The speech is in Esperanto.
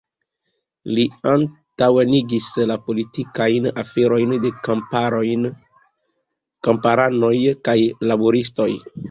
Li antaŭenigis la politikajn aferojn de kamparanoj kaj laboristoj.